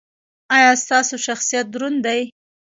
ایا ستاسو شخصیت دروند دی؟